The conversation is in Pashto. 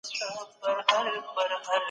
د سهروردي طریقې منسوبین چېري زیات دي؟